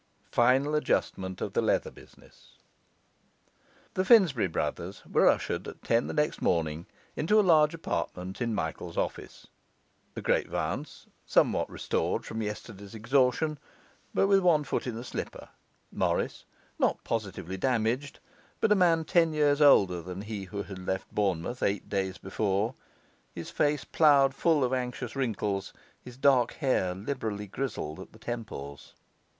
Final Adjustment of the Leather Business Finsbury brothers were ushered, at ten the next morning, into a large apartment in Michael's office; the Great Vance, somewhat restored from yesterday's exhaustion, but with one foot in a slipper; Morris, not positively damaged, but a man ten years older than he who had left Bournemouth eight days before, his face ploughed full of anxious wrinkles, his dark hair liberally grizzled at the temples.